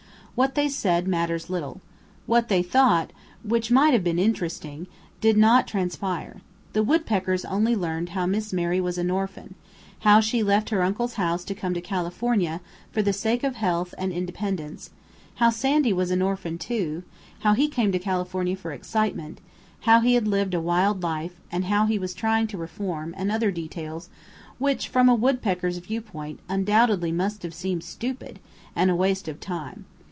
What they said matters little. What they thought which might have been interesting did not transpire. The woodpeckers only learned how Miss Mary was an orphan; how she left her uncle's house, to come to California, for the sake of health and independence; how Sandy was an orphan, too; how he came to California for excitement; how he had lived a wild life, and how he was trying to reform; and other details, which, from a woodpecker's viewpoint, undoubtedly must have seemed stupid, and a waste of time.